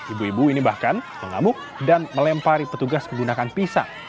ibu ibu ini bahkan mengamuk dan melempari petugas menggunakan pisa